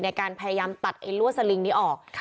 ในการพยายามตัดไอ้ลั่วสลิงนี้ออก